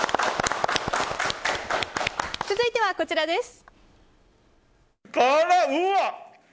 続いては、こちらです。